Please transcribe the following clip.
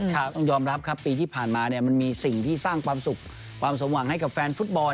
ต้องยอมรับครับปีที่ผ่านมาเนี่ยมันมีสิ่งที่สร้างความสุขความสมหวังให้กับแฟนฟุตบอล